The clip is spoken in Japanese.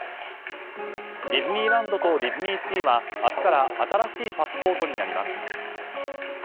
ディズニーランドとディズニーシーは明日から新しいパスポートになります。